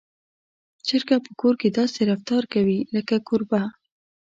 چرګه په کور کې داسې رفتار کوي لکه کوربه.